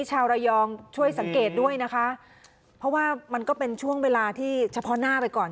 ชาวระยองช่วยสังเกตด้วยนะคะเพราะว่ามันก็เป็นช่วงเวลาที่เฉพาะหน้าไปก่อน